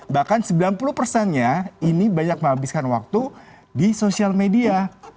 bahkan sembilan puluh persennya ini banyak menghabiskan waktu di sosial media